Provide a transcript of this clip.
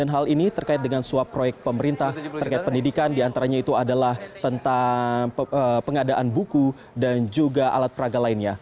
hal ini terkait dengan suap proyek pemerintah terkait pendidikan diantaranya itu adalah tentang pengadaan buku dan juga alat peraga lainnya